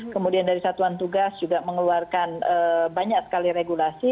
kemudian dari satuan tugas juga mengeluarkan banyak sekali regulasi